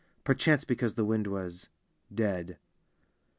Perchance because the wind was — dead.